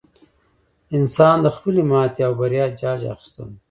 انسان د خپلې ماتې او بریا جاج اخیستلی.